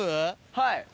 はい。